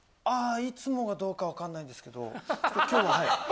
ああいつもがどうかはわからないんですけど今日ははい。